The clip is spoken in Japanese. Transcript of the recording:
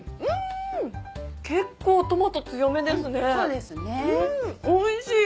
うんおいしい！